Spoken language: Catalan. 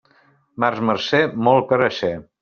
Març marcer, molt carasser.